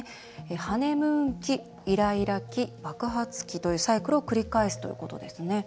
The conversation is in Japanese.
ハネムーン期、イライラ期バクハツ期というサイクルを繰り返すということですね。